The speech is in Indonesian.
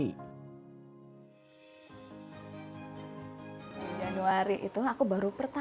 di januari itu aku baru pertama